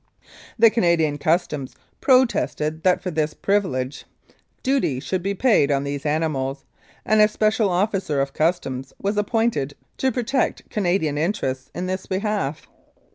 The Canadian Customs protested that for this privilege duty should be paid on these animals, and a special officer of Customs was appointed to protect Canadian interests in this behalf.